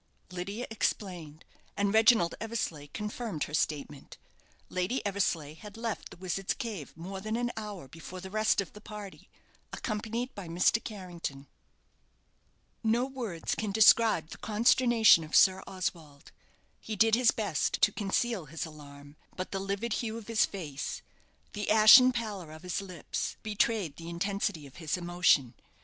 Lydia explained, and Reginald Eversleigh confirmed her statement. Lady Eversleigh had left the Wizard's Cave more than an hour before the rest of the party, accompanied by Mr. Carrington. No words can describe the consternation of Sir Oswald. He did his best to conceal his alarm; but the livid hue of his face, the ashen pallor of his lips, betrayed the intensity of his emotion.